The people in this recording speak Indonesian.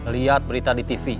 lihat berita di tv